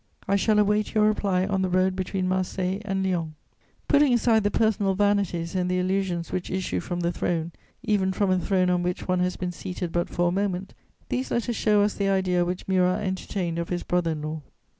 I shall await your reply on the road between Marseilles and Lyons." Putting aside the personal vanities and the illusions which issue from the throne, even from a throne on which one has been seated but for a moment, these letters show us the idea which Murat entertained of his brother in law.